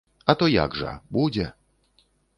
А то як жа, будзе.